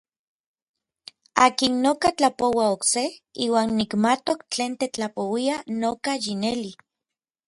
Akin noka tlapoua okse, iuan nikmatok tlen tetlapouia noka yineli.